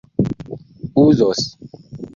uzos